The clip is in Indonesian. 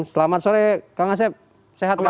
selamat sore kang asep sehat